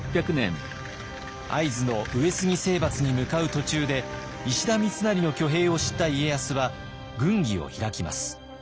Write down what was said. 会津の上杉征伐に向かう途中で石田三成の挙兵を知った家康は軍議を開きます。